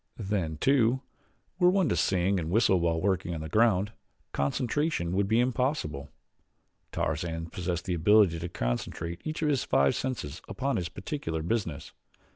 Then, too, were one to sing and whistle while working on the ground, concentration would be impossible. Tarzan possessed the ability to concentrate each of his five senses upon its particular business.